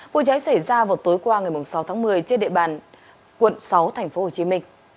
vụ cháy xảy ra vào tối qua ngày sáu tháng một mươi trên địa bàn quận sáu tp hcm